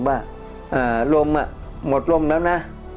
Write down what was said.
ว่าลมหมดลมแล้วนะ